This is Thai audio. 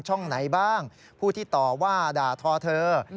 ช่องไหนบ้างผู้ที่ต่อว่าด่าทอเธอ